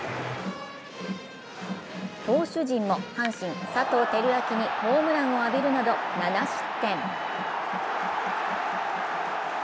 投手陣も阪神・佐藤輝明にホームランを浴びるなど７失点。